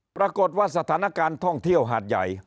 ปรากฏว่าสถานการณ์ท่องเที่ยวหาดใหญ่